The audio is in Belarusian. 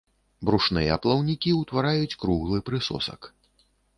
Брушныя плаўнікі ўтвараюць круглы прысосак.